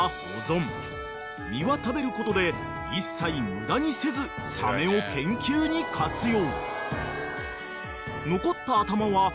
［身は食べることで一切無駄にせずサメを研究に活用］